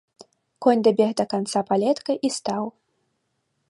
Конь дабег да канца палетка і стаў.